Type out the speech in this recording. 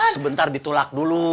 sebentar ditulak dulu